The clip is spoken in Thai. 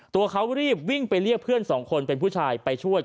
ตัวเขารีบวิ่งไปเรียกเพื่อนสองคนเป็นผู้ชายไปช่วย